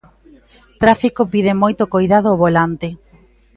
Tráfico pide moito coidado ao volante.